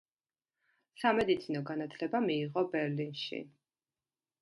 სამედიცინო განათლება მიიღო ბერლინში.